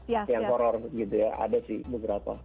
yang horror gitu ya ada sih beberapa